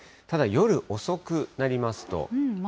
ただ、夜遅くなりますと。